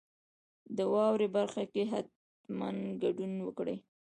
د واورئ برخه کې حتما ګډون وکړئ.